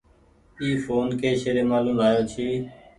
اي ڦون ڪي شهريمآلو لآيو ڇي۔